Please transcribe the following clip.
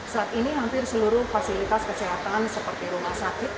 saat ini hampir seluruh fasilitas kesehatan seperti rumah sakit